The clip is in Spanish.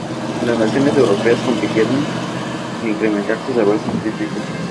Las naciones europeas compitieron en incrementar su saber científico.